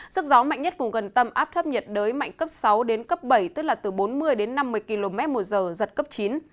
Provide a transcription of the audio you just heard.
sức gió mạnh nhất vùng gần tâm áp thấp nhiệt đới mạnh cấp sáu đến cấp bảy tức là từ bốn mươi đến năm mươi km một giờ giật cấp chín